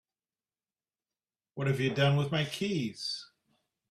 What have you done with my keys?